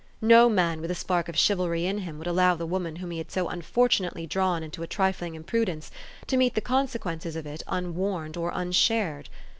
No man with a spark of chivalry in him would allow the woman whom he had so unfortunately drawn into a trifling imprudence, to meet the consequences of it unwarned or unshared.